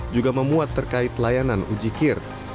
juga memuat terkait layanan uji kir